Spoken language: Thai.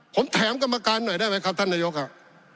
ผมถามกรรมการหน่อยได้ไหมครับท่านนายกครับ